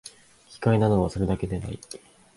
奇怪なのは、それだけでない